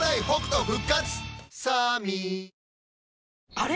あれ？